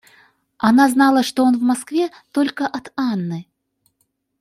Она знала, что он в Москве, только от Анны.